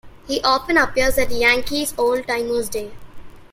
He often appears at Yankees' Old-Timers' Day.